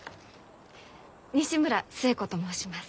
西村寿恵子と申します。